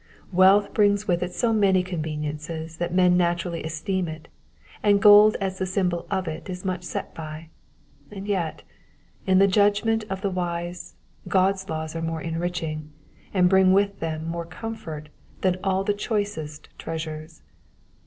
Wealth brings with it so many conveniences that men naturally esteem it, and gold as the symbol of it is much set by ; and yet, in the judgment of the wise, Clod's laws are more enriching, and bring with them more comfort than all the choicest treasures.